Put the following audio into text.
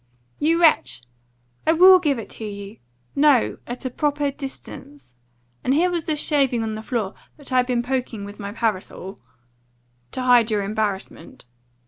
"You wretch! I will GIVE it to you! No, at a proper distance. And here was this shaving on the floor, that I'd been poking with my parasol " "To hide your embarrassment."